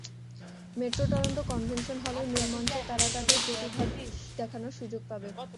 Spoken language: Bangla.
মেট্রো টরন্টো কনভেনশন হলের মূলমঞ্চে তারা তাদের প্রতিভা দেখানোর সুযোগ পাবে।